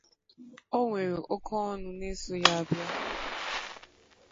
o nwere oke ọñụ na-eso ya abịa